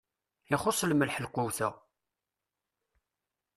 Ixuṣṣ lmelḥ lqut-a.